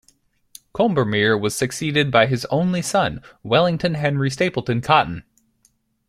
Combermere was succeeded by his only son, Wellington Henry Stapleton-Cotton.